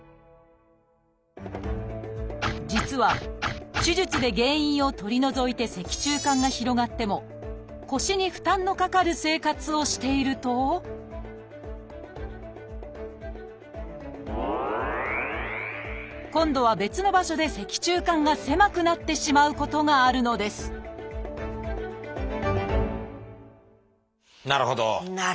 実は手術で原因を取り除いて脊柱管が広がっても腰に負担のかかる生活をしていると今度は別の場所で脊柱管が狭くなってしまうことがあるのですなるほど！